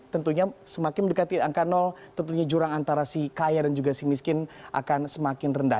tentunya semakin mendekati angka tentunya jurang antara si kaya dan juga si miskin akan semakin rendah